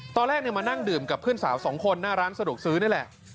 ตอนแรกมานั่งดื่มกับเพื่อนสาวสองคนหน้าร้านสะดวกซื้อนี่แหละ